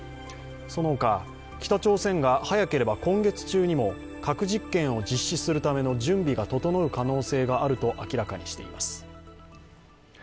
その他、北朝鮮が早ければ今月中にも核実験を実施するための準備が整う可能性があると明らかにしています。